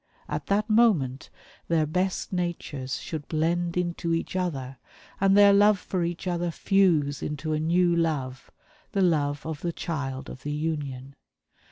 At that moment their best natures should blend into each other, and their love for each other fuse into a new love the love of the child of the union.